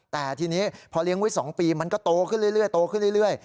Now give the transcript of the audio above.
แต่ทีนี้พอเลี้ยงไว้สองปีมันก็โตขึ้นเรื่อยเรื่อยโตขึ้นเรื่อยเรื่อย